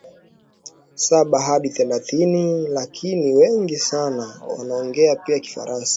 saba Hadi thelathini lakini wengi sana wanaongea pia Kifaransa